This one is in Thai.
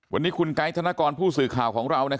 วันนี้คุณไกด์ธนกรผู้สื่อข่าวของเรา